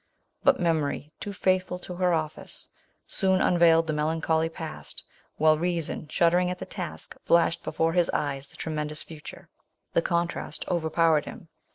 But memory, too faithful to her office, soon unveiled the melancholy past, while reason, shuddering at the task, flashed before his eyes the tremend ous future. The contrast overpower ed him.